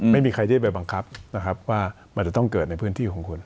ไม่มีใครที่จะไปบังคับนะครับว่ามันจะต้องเกิดในพื้นที่ของคุณ